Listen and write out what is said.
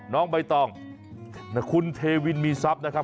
น้องใบตองคุณเทวินมีทรัพย์นะครับ